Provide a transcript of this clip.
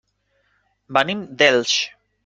Venim d'Elx.